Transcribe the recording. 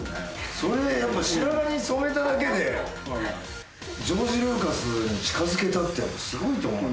それやっぱ白髪に染めただけでジョージ・ルーカスに近づけたってすごいと思うよ。